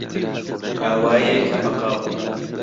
ئاوایی ئەیکەن بە قاو